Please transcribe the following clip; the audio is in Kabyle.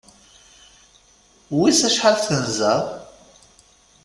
Wiss acḥal tenza?